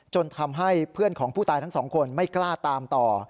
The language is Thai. จนทำให้เพื่อนของผู้ตายทั้งสองคนไม่กล้าตามต่อ